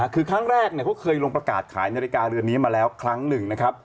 คือครั้งแรกเขาเคยลงประกาศขายนาฬิกาเรือนนี้มาแล้วครั้งหนึ่งนะครับ